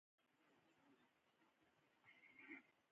کړنلاره: لومړی د تبدیل سویچ د دورې فني او حقیقي شمې وګورئ.